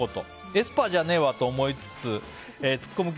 エスパーじゃねえわと思いつつツッコむ